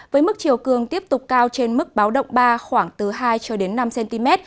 với mức chiều cường tiếp tục cao trên mức báo động ba khoảng từ hai cho đến năm cm